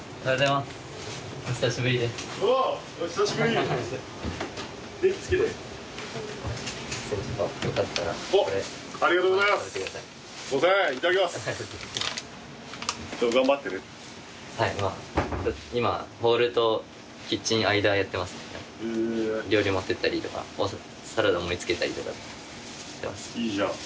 いいじゃん。